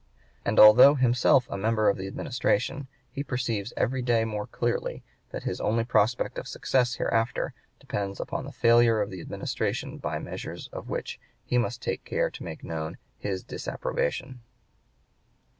and although himself a member of the Administration, he perceives every day more clearly that his only prospect of success hereafter depends upon the failure of the Administration by measures of which he must take care to make known his disapprobation."